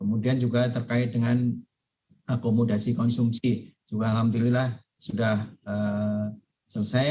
kemudian juga terkait dengan akomodasi konsumsi juga alhamdulillah sudah selesai